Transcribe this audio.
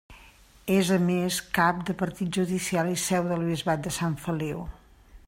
És a més cap de partit judicial i seu del bisbat de Sant Feliu.